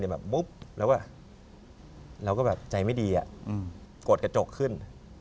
แบบบุ๊บแล้วอ่ะแล้วก็แบบใจไม่ดีอ่ะกดกระจกขึ้น